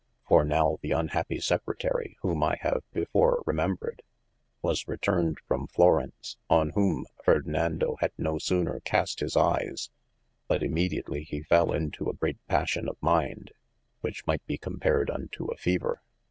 For now the unhappy Secretary whom I have before remebred, was returned from Florence, on whom Fardinando had no soner cast his eies, but immediatly he fell into a great passion of minde, which might be copared unto a feaver.